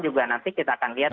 juga nanti kita akan lihat